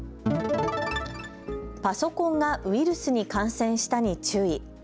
パソコンがウイルスに感染したに注意。